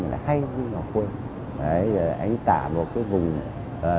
là khắp nơi lại vang lên ca khúc